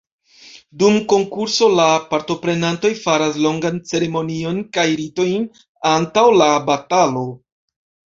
Dum konkurso, la partoprenantoj faras longan ceremonion kaj ritojn antaŭ la batalo.